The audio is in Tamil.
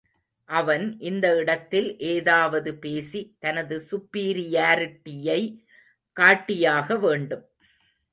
அவன், இந்த இடத்தில், ஏதாவது பேசி, தனது சுப்பீரியாரிட்டியை காட்டியாக வேண்டும்.